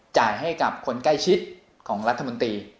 จ่ายให้กับคนใกล้ชิดของรัฐมนตรี